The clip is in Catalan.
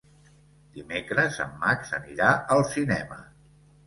Dimecres en Max anirà al cinema.